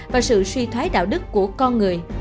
và sự suy thoái đạo đức của con người